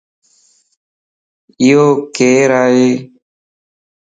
اھو ڪيرائي؟